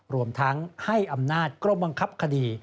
รวมทั้งให้อำนาจกรมบังคับคดี